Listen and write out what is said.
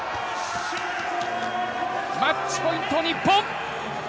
マッチポイント日本。